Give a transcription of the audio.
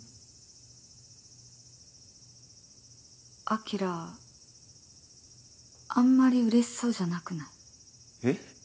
晶あんまりうれしそうじゃなくない？えっ？